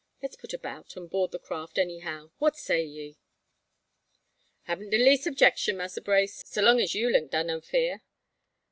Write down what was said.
Let's put about, an' board the craft, anyhow. What say ye?" "Haben't de leas' objecshun, Massa Brace, so long you link dar no fear.